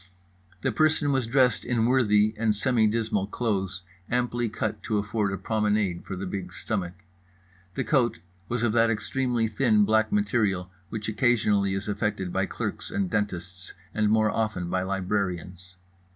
The person was dressed in worthy and semi dismal clothes amply cut to afford a promenade for the big stomach. The coat was of that extremely thin black material which occasionally is affected by clerks and dentists and more often by librarians.